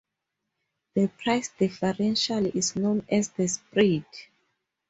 This price differential is known as the "spread".